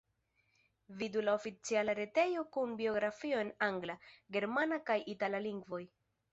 Vidu la oficiala retejo kun biografio en angla, germana kaj itala lingvoj.